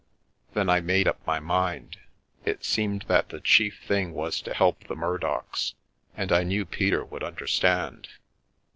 Then I made up my mind. It seemed that the chief thing was to help the Murdocks, and I knew Peter would understand.